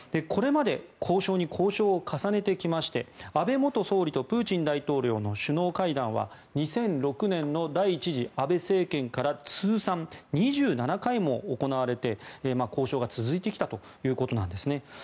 これまで交渉に交渉を重ねてきまして安倍元総理とプーチン大統領の首脳会談は２００６年の第１次安倍政権から通算２７回も行われて交渉が続いてきたということなんですね。